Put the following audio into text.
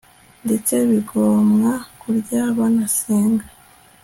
ndetse bigomwa kurya banasenga